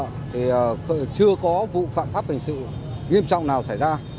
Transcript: thì chưa có vụ phạm pháp hình sự nghiêm trọng nào xảy ra